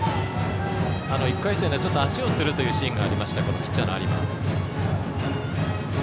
１回戦では足をつるシーンがありましたピッチャーの有馬。